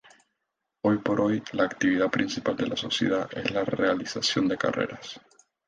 Hoy por hoy la actividad principal de la Sociedad es la realización de carreras.